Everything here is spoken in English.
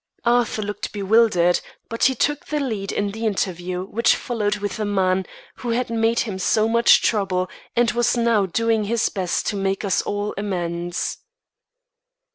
Arthur looked bewildered, but he took the lead in the interview which followed with the man who had made him so much trouble and was now doing his best to make us all amends.